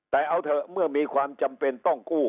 แต่เอาเถอะเมื่อมีความจำเป็นต้องกู้